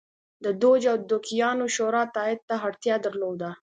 د دوج او دوکیانو شورا تایید ته اړتیا درلوده.